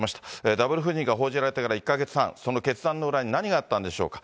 ダブル不倫が報じられてから１か月半、その決断の裏に何があったんでしょうか。